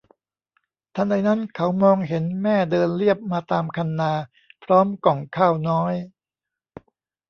ทันใดนั้นเขามองเห็นแม่เดินเลียบมาตามคันนาพร้อมก่องข้าวน้อย